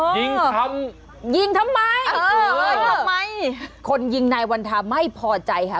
ยิงทำยิงทำไมทำไมคนยิงนายวันทาไม่พอใจค่ะ